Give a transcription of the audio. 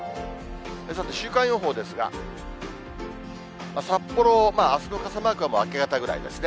さて、週間予報ですが、札幌、あすの傘マークは明け方ぐらいですね。